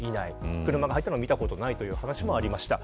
車が入ったのは見たことがないという話がありました。